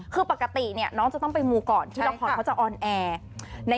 คือปกติน้องจะต้องไปมูก่อนที่ละครเขาจะออนแอร์